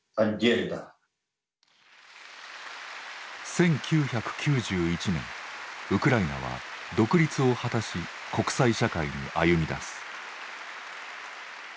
１９９１年ウクライナは独立を果たし国際社会に歩みだす。